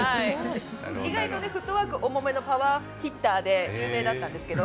意外とフットワーク重めのパワーヒッターで有名だったんですけど。